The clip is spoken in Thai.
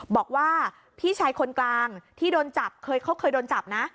บอกว่าพี่ชายคนกลางที่โดนจับเขาเคยโดนจับนะ